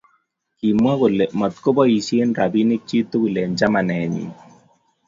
Kimwach kole matko boisie rapinik chi tugul eng chamanenyi